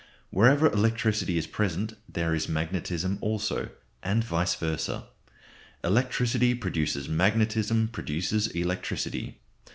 Wherever electricity is present there is magnetism also, and vice versâ. Electricity produces magnetism produces electricity.